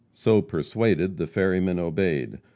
So persuaded, the ferryman obeyed.